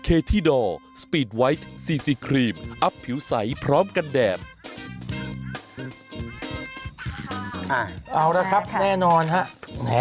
เอาละครับแน่นอนฮะ